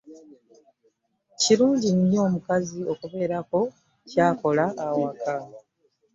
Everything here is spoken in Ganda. Kirungi nnyo omukazi abeeko ky'akola awaka.